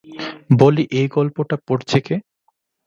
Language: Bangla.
বলি এই গল্পটা পড়ছে কে?